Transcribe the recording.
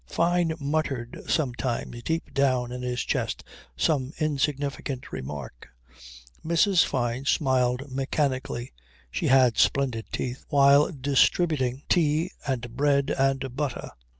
Fyne muttered sometimes deep down in his chest some insignificant remark. Mrs. Fyne smiled mechanically (she had splendid teeth) while distributing tea and bread and butter.